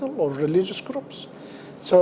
atau grup agama